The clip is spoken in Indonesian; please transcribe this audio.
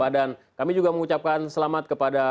dan kami juga mengucapkan selamat kepada